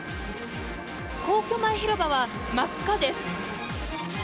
皇居前広場は真っ赤です。